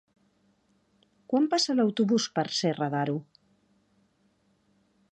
Quan passa l'autobús per Serra de Daró?